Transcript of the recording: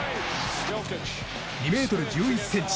２ｍ１１ｃｍ